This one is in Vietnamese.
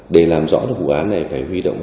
để làm rõ vụ án này phải huy động